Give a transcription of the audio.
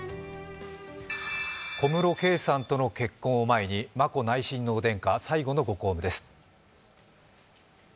小室圭との結婚を前に眞子内親王殿下、最後のご公務です。